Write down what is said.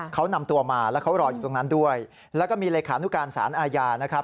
เขานำตัวมาแล้วเขารออยู่ตรงนั้นด้วยแล้วก็มีเลขานุการสารอาญานะครับ